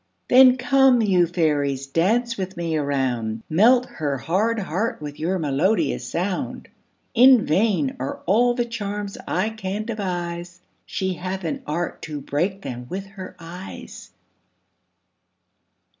Then come, you fairies, dance with me a round; Melt her hard heart with your melodious sound. In vain are all the charms I can devise; She hath an art to break them with her eyes.